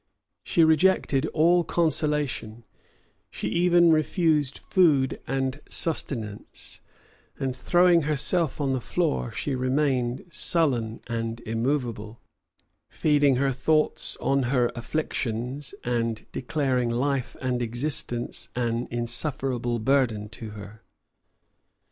She rejected all consolation: she even refused food and sustenance: and throwing herself on the floor, she remained sullen and immovable, feeding her thoughts on her afflictions, and declaring life and existence an insufferable burden to her.